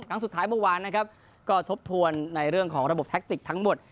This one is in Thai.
ครั้งสุดท้ายเมื่อวานนะครับก็ทบทวนในเรื่องของระบบแท็กติกทั้งหมด